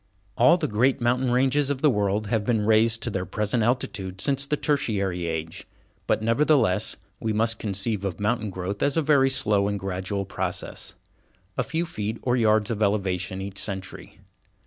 All the great mountain ranges of the world have been raised to their present altitude since the Tertiary Age, but, nevertheless, we must conceive of mountain growth as a very slow and gradual process, a few feet or yards of elevation each century.